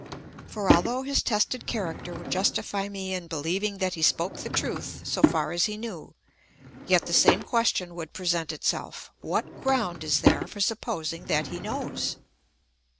For although his tested character would justify me in beheving that he spoke the truth so far as he knew, yet the same question would present itself — what ground is there for supposing that he knows